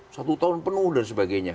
satu tahun penuh dan sebagainya